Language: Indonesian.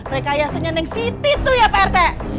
rekayasenya dan fitih tuh ya prt